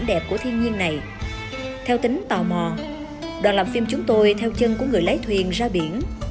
đoàn lập phim chúng tôi theo chân của người lái thuyền ra biển